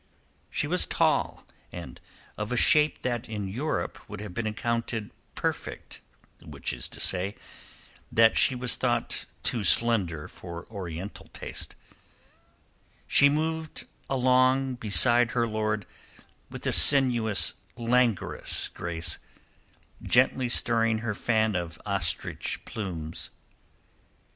She was tall and of a shape that in Europe would have been accounted perfect, which is to say that she was a thought too slender for Oriental taste; she moved along beside her lord with a sinuous, languorous grace, gently stirring her fan of ostrich plumes.